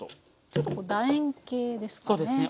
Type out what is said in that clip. ちょっとだ円形ですかね。